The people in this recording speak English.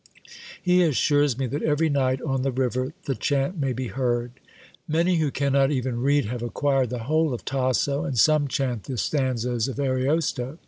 He assures me that every night on the river the chant may be heard. Many who cannot even read have acquired the whole of Tasso, and some chant the stanzas of Ariosto.